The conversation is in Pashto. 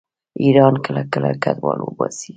ایران کله کله کډوال وباسي.